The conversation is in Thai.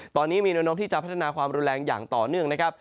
ตอนนี้มีแนวโน้มที่จะพัฒนาความรุนแรงอย่างต่อเนื่องนะครับ